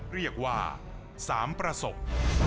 เรียกว่า๓ประสบ